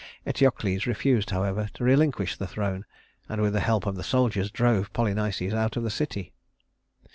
Eteocles refused, however, to relinquish the throne; and with the help of the soldiers, drove Polynices out of the city.